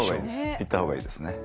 言った方がいいですね。